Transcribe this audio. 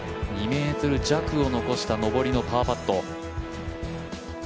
２ｍ弱を残した上りのパーパット。